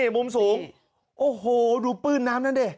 มุมสูงโอ้โหดูปื้นน้ำนั้นดิ